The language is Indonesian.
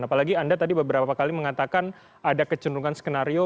apalagi anda tadi beberapa kali mengatakan ada kecenderungan skenario